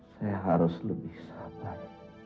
saya harus lebih sabar